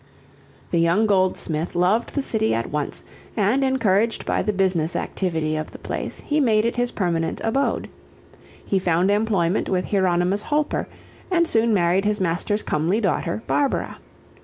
The young goldsmith loved the city at once and, encouraged by the business activity of the place, he made it his permanent abode. He found employment with Hieronymus Holper, and soon married his master's comely daughter, Barbara.